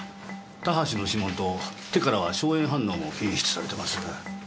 田橋の指紋と手からは硝煙反応も検出されてます。